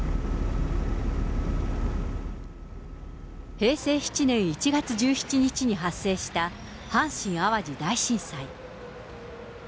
平成７年１月１７日に発生した阪神・淡路大震災。